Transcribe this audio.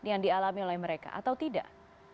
yang dialami oleh mereka atau tidak